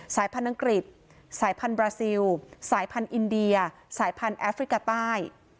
สายพันธุ์อังกฤษสายพันธุบราซิลสายพันธุ์อินเดียสายพันธุ์แอฟริกาใต้